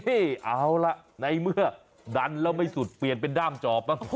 เอาล่ะในเมื่อดันแล้วไม่สุดเปลี่ยนเป็นด้ามจอบบ้าง